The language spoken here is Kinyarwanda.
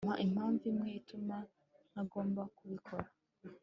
Mpa impamvu imwe ituma ntagomba kubikora